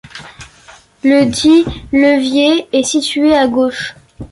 Ledit levier est situé à gauche.